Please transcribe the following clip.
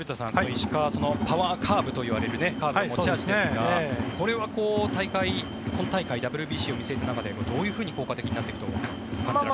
石川、パワーカーブといわれるカーブも持ち味ですがこれは本大会、ＷＢＣを見据えた中でどういうふうに効果的になっていくと思いますか。